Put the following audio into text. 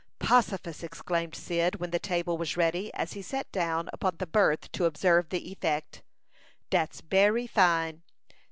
"Possifus!" exclaimed Cyd, when the table was ready, as he sat down upon the berth to observe the effect. "Dat's bery fine!